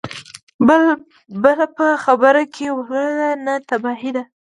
بل په خبره کې ور ولوېد: نه، تباهي ده!